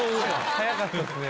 早かったっすね。